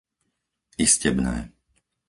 Istebné